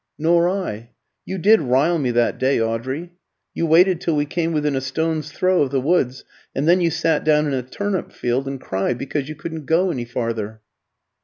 "Nor I. You did rile me that day, Audrey. You waited till we came within a stone's throw of the woods, and then you sat down in a turnip field and cried because you couldn't go any farther."